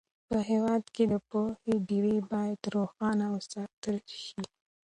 په هېواد کې د پوهې ډېوې باید روښانه وساتل سي.